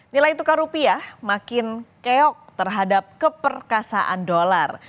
nilai tukar rupiah makin keok terhadap keperkasaan dolar